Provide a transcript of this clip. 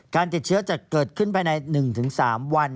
การติดเชื้อจะเกิดขึ้นภายใน๑๓วัน